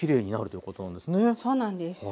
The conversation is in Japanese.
そうなんです。